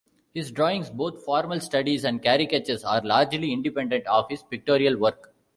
His drawings, both formal studies and caricatures, are largely independent of his pictorial work.